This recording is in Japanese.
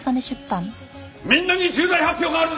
みんなに重大発表がある！